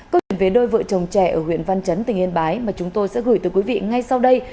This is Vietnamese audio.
câu chuyện về đôi vợ chồng trẻ ở huyện văn chấn tỉnh yên bái mà chúng tôi sẽ gửi tới quý vị ngay sau đây